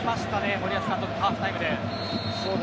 森保監督、ハーフタイムで。